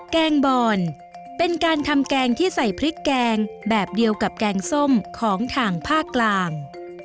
แกงบอนเป็นการทำแกงที่ใส่พริกแกงแบบเดียวกับแกงส้มของทางภาคกลาง